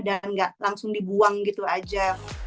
dan nggak langsung dibuang gitu aja